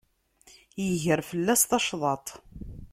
Iger fell-as tacḍaḍt.